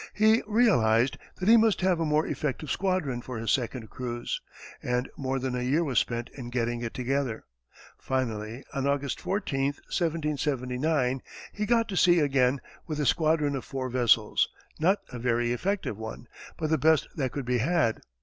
He realized that he must have a more effective squadron for his second cruise, and more than a year was spent in getting it together. Finally, on August 14, 1779, he got to sea again with a squadron of four vessels not a very effective one, but the best that could be had.